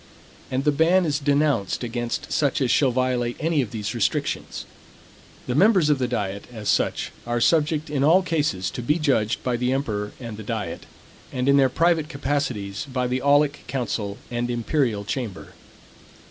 And the ban is denounced against such as shall violate any of these restrictions. The members of the diet, as such, are subject in all cases to be judged by the emperor and diet, and in their private capacities by the aulic council and imperial chamber.